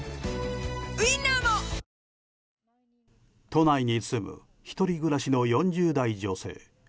都内に住む１人暮らしの４０代女性。